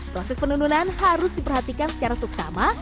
proses penundunan harus diperhatikan secara suksama